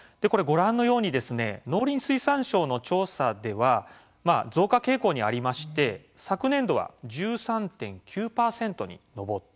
ご覧のようにですね農林水産省の調査では増加傾向にありまして昨年度は１３．９％に上っています。